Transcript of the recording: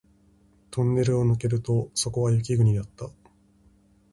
トンネルを抜けるとそこは雪国だった